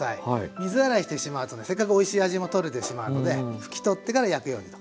水洗いしてしまうとねせっかくおいしい味も取れてしまうので拭き取ってから焼くようにと。